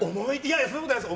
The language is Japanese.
そんなことないです。